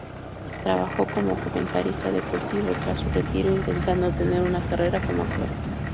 Trabajó como comentarista deportivo tras su retiro, intentando tener una carrera como actor.